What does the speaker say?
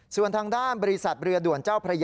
คุณผู้ชมไปฟังเธอธิบายแล้วกันนะครับ